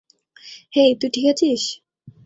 হেই, তুই ঠিক আছিস?